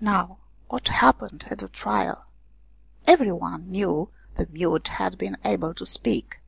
Now what happened at the trial ? Every one knew the mute had been able to speak.